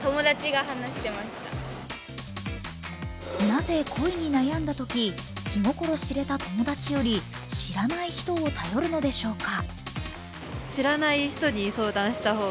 なぜ、恋に悩んだとき、気心知れた友達より知らない人を頼るのでしょうか。